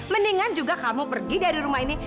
mendingan juga kamu pergi dari rumah ini